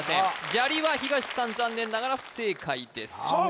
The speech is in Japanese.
砂利は東さん残念ながら不正解ですさあ